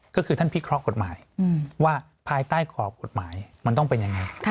ก็คือท่านพิเคราะห์กฎหมายว่าภายใต้ขอบกฎหมายมันต้องเป็นยังไง